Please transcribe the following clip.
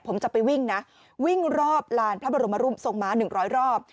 ผมจะไปวิ่งนะวิ่งรอบลานพระบรมรูปทรงม้า๑๐๐รอบ